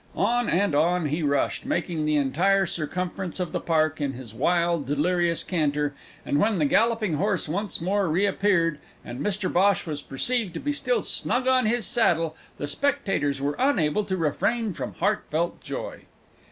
On, on he rushed, making the entire circumference of the Park in his wild, delirious canter, and when the galloping horse once more reappeared, and Mr Bhosh was perceived to be still snug on his saddle, the spectators were unable to refrain from heartfelt joy.